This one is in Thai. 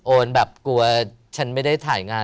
แบบกลัวฉันไม่ได้ถ่ายงาน